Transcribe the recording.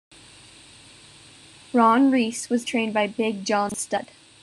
Ron Reis was trained by Big John Studd.